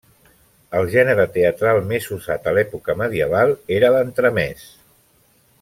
El gènere teatral més usat a l'època medieval era l'entremès.